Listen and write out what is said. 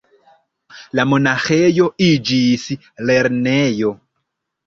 La monaĥejo iĝis lernejo.